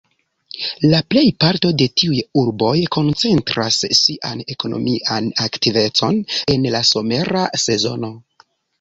La plej parto de tiuj urboj koncentras sian ekonomian aktivecon en la somera sezono.